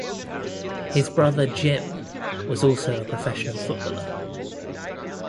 His brother, Jim was also a professional footballer.